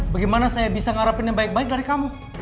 bagaimana saya bisa ngarapin yang baik baik dari kamu